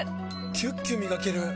キュッキュ磨ける！